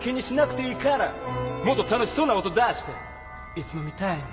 いつもみたいに。